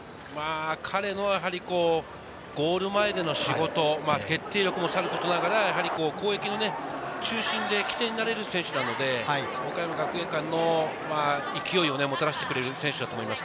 彼のゴール前での仕事、決定力もさることながら、攻撃の中心で起点になれる選手なので、岡山学芸館の勢いをもたらしてくれる選手だと思います。